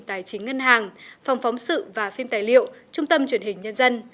tài chính ngân hàng phòng phóng sự và phim tài liệu trung tâm truyền hình nhân dân